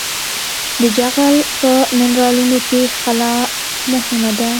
د جغل په منرالونو کې خلا مهمه ده